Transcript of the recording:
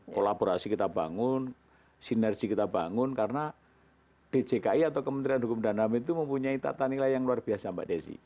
kolaborasi kita bangun sinergi kita bangun karena djki atau kementerian hukum dan ham itu mempunyai tata nilai yang luar biasa mbak desi